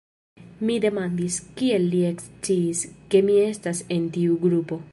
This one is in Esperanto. Mi demandis, kiel li eksciis, ke mi estas en tiu grupo.